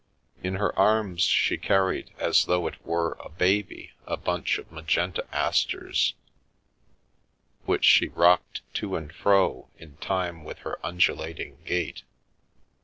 In her arms she carried, as though it were a baby, a bunch of magenta asters, which she rocked to and fro in time with her undulating gait.